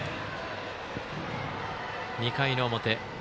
２回の表。